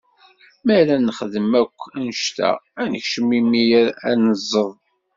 Mi ara nexdem akk anect-a, ad nekcem imir ad nẓeḍ.